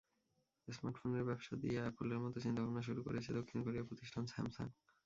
স্মার্টফোনের ব্যবসা নিয়ে অ্যাপলের মতো চিন্তাভাবনা শুরু করছে দক্ষিণ কোরিয়ার প্রতিষ্ঠান স্যামসাং।